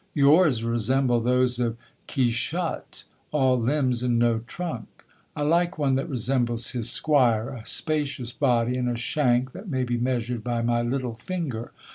Yours resemble those of Quichotte, all limbs and no trunk. I like one that resembles his squire, a spacious body and a shank that may be measured by my little finger.'